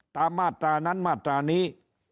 มาตรานั้นมาตรานี้